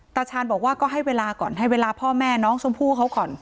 ตาชาญบอกว่าก็ให้เวลาก่อนให้เวลาพ่อแม่น้องชมพู่เขาก่อน